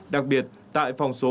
đặc biệt tại phòng số hai trăm linh hai